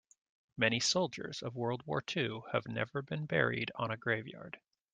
Many soldiers of world war two have never been buried on a grave yard.